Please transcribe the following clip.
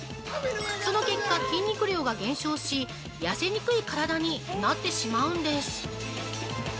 その結果、筋肉量が減少し、痩せにくい体になってしまうんです。